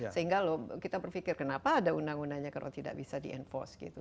sehingga loh kita berpikir kenapa ada undang undangnya kalau tidak bisa di enforce gitu